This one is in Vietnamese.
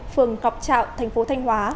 đường ngọc trạo thành phố thanh hóa